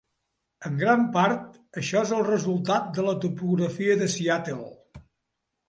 En gran part, això és el resultat de la topografia de Seattle.